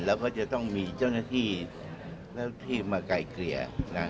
แล้วก็จะต้องมีเจ้าหน้าที่มาไก่เกลี่ย